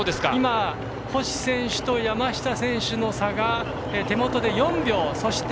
今、星選手と山下選手の差が手元で４秒。